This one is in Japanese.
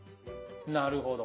なるほど。